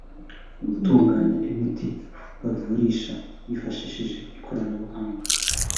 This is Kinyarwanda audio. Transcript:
gutunganya imiti bavurisha bifashishije ikoranabuhanga